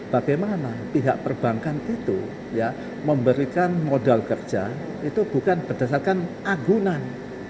bagaimana pihak perbankan itu memberikan modal kerja itu bukan berdasarkan agunan